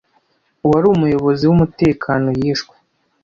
uwari umuyobozi wumutekano yishwe